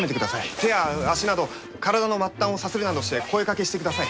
手や足など体の末端をさするなどして声かけしてください。